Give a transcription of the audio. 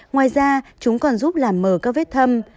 ngoài ra chúng còn giúp làm mở các vết thâm